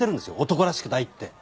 男らしくないって。